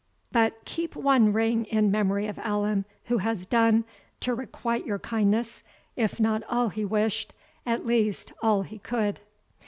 But keep one ring in memory of Allan, who has done, to requite your kindness, if not all he wished, at least all he could."